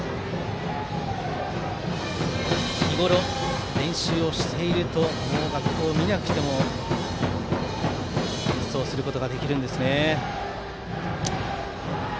日ごろ練習をしていると楽譜を見なくても演奏することができるんですね。